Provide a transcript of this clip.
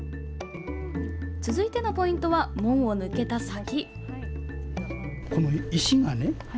続いてのポイントは門を抜けた先。